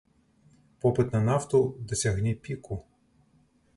Попыт на нафту дасягне піку.